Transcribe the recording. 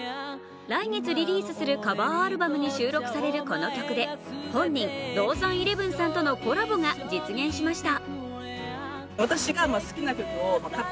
来月リリースするカバーアルバムに収録されるこの曲で本人、ＤＯＺＡＮ１１さんとのコラボが実現しました。